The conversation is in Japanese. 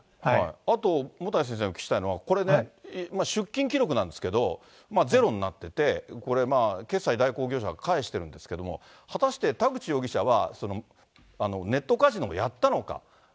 あと、もたい先生にお聞きしたいのは、出金記録なんですけど、ゼロになってて、これ、決済代行業者が返してるんですけども、果たして田口容疑者は、ネットカジノをやったのか。